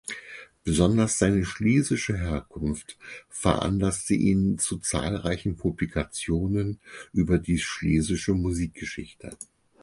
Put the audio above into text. Besonders seine schlesische Herkunft veranlasste ihn zu zahlreichen Publikationen über die Schlesische Musikgeschichte.